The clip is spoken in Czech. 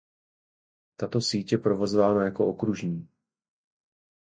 Tato síť je provozována jako okružní.